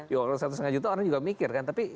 ya kalau satu lima juta orang juga mikir kan